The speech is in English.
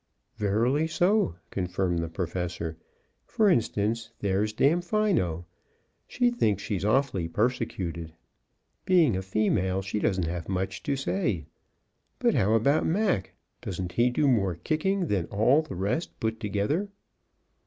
"Verily so," confirmed the Professor. "For instance, there's Damfino; she thinks she's awfully persecuted. Being a female, she doesn't have much to say. But how about Mac? Doesn't he do more kicking than all the rest put together?"